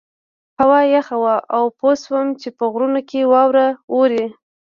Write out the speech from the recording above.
هوا یخه وه او پوه شوم چې په غرونو کې واوره وورې.